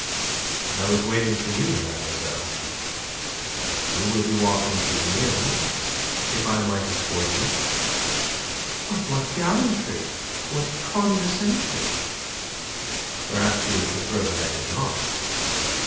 "I was waiting for you, mademoiselle. You will be walking to the inn. If I might escort you..." "But what gallantry! What condescension!" "Perhaps you would prefer that I did not?"